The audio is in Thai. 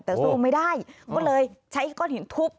แต่สู้ไม่ได้ก็เลยใช้ก้อนหินทุบ